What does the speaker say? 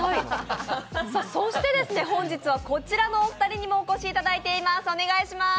そして、本日はこちらのお二人にもお越しいただいています。